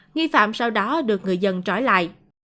nghi phạm sau đó được người dân trói lại